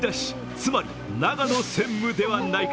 つまり長野専務ではないか。